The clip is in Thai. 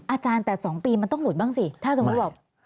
อาจารย์แต่๒ปีมันต้องหลุดบ้างสิถ้าสมมุติแบบ